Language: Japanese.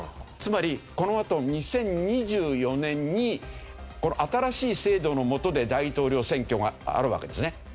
つまりこのあと２０２４年にこの新しい制度の下で大統領選挙があるわけですね。